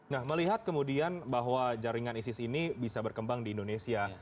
nah melihat kemudian bahwa jaringan isis ini bisa berkembang di indonesia